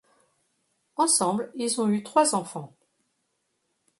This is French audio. Ensemble, ils ont eu trois enfants.